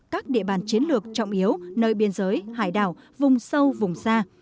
các địa bàn chiến lược trọng yếu nơi biên giới hải đảo vùng sâu vùng xa